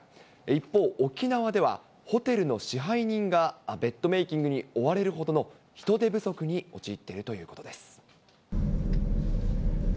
一方、沖縄ではホテルの支配人がベッドメーキングに追われるほどの人手不足に陥っているということです。